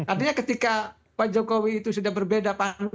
artinya ketika pak jokowi itu sudah berbeda